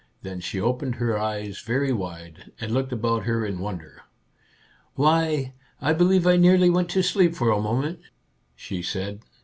Then she opened her eyes very wide and looked about her in wonder. " Why, I believe I nearly went to sleep for a moment," she said.